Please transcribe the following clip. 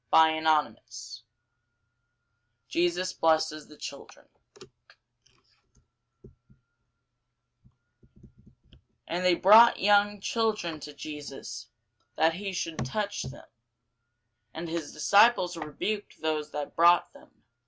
CHAPTER 50 JESUS BLESSES THE CHILDREN [Sidenote: St. Mark 10] AND they brought young children to Jesus, that he should touch them: and his disciples rebuked those that brought them.